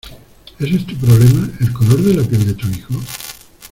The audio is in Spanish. ¿ ese es tu problema, el color de la piel de tu hijo?